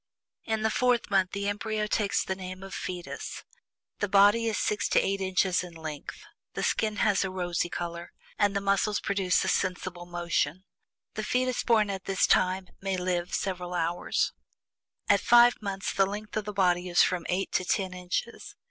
"At the FOURTH MONTH, the embryo takes the name of 'fetus.' The body is six to eight inches in length. The skin has a rosy color, and the muscles produce a sensible motion. A fetus born at this time might live several hours. At FIVE MONTHS the length of the body is from eight to ten inches.